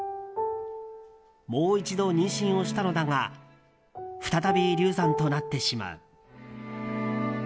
もう一度、妊娠をしたのだが再び流産となってしまう。